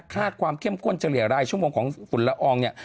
ค่าความเข้มข้นเฉลี่ยรายชั่วโมงของฝุ่นละอองเนี่ย